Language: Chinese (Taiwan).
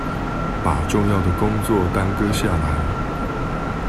把重要的工作耽擱下來